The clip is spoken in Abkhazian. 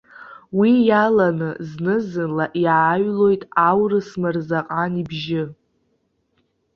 Уи иаланы зны-зынла иааҩлоит аурыс мырзакан абжьы.